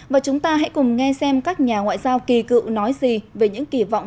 và chúng ta hãy cùng nghe xem các nhà ngoại giao kỳ cựu nói gì về những kỳ vọng